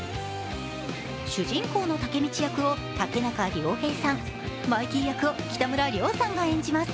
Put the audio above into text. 主人公のタケミチ役を竹中凌平さんマイキー役を北村諒さんが演じます。